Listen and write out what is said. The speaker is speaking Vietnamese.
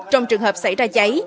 trong trường hợp xảy ra cháy